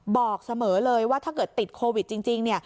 บอกเสมอเลยว่าถ้าเกิดติดโควิดจริง